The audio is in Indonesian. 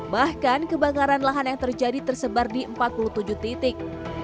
bahkan kebakaran lahan yang terjadi tersebar di empat puluh tujuh titik